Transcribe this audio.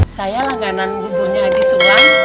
saya langganan buburnya di sulam